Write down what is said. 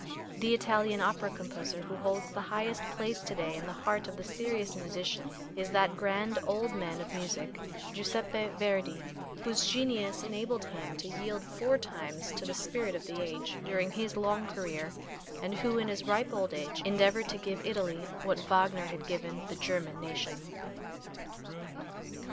The Italian opera composer who holds the highest place to day in the heart of the serious musician is that grand old man of music, Giuseppe Verdi, whose genius enabled him to yield four times to the spirit of the age, during his long career, and who in his ripe old age endeavored to give Italy what Wagner had given the German nation.